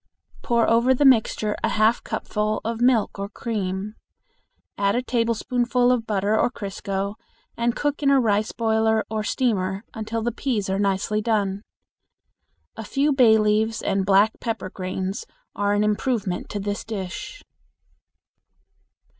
Pour over the mixture a half cupful of milk or cream; add a tablespoonful of butter or crisco, and cook in a rice boiler or steamer until the peas are nicely done. A few bay leaves and black pepper grains are an improvement to this dish.